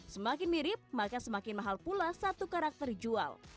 semakin mirip maka semakin mahal pula satu karakter jual